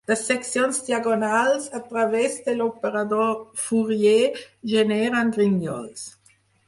Les seccions diagonals a través de l"operador Fourier generen grinyols.